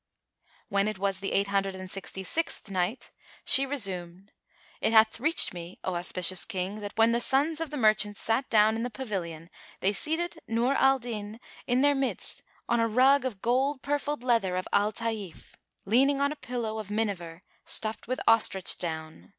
When it was the Eight Hundred and Sixty sixth Night, She resume, It hath reached me, O auspicious King, that when the sons of the merchants sat down in the pavilion they seated Nur al Din in their midst on a rug of gold purfled leather of Al Táif,[FN#410] leaning on a pillow[FN#411] of minever, stuffed with ostrich down.